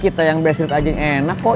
kita yang best friend aja yang enak kok